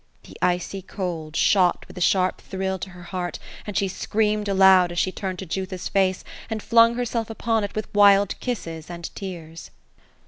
The icy cold, shot, with a sharp thrill, to her heart, and she screamed aloud, as she turned to Jutha's face, and flung herself upon it with wild kisses.and tears.